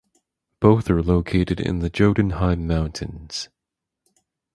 Both are located in the Jotunheim mountains.